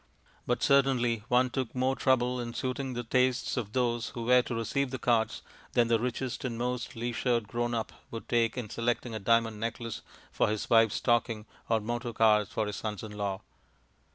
But certainly one took more trouble in suiting the tastes of those who were to receive the cards than the richest and most leisured grown up would take in selecting a diamond necklace for his wife's stocking or motor cars for his sons in law.